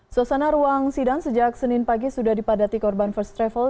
suasana ruang sidang sejak senin pagi sudah dipadati korban first travel